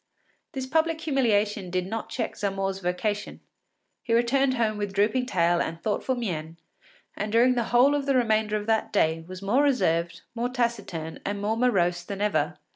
This public humiliation did not check Zamore’s vocation. He returned home with drooping tail and thoughtful mien, and during the whole of the remainder of that day was more reserved, more taciturn, and more morose than ever.